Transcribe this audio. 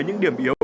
những điểm yếu